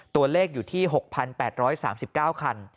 ตัวเลขอยู่ที่๖๘๓๙คัน